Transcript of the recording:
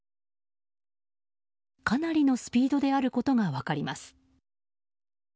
かなりのスピードであることが分かります。